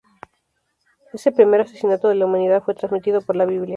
Este primer asesinato de la humanidad fue transmitido por La Biblia.